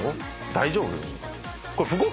大丈夫よ。